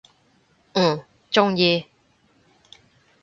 嗯，中意！